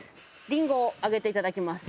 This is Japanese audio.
リンゴをあげていただきます